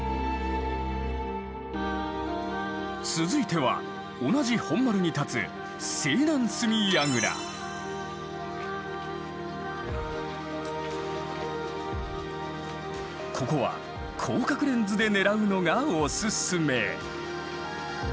続いては同じ本丸に立つここは広角レンズで狙うのがおすすめ。